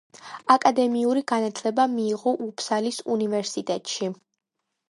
აკადემიური განათლება მიიღო უფსალის უნივერსიტეტში.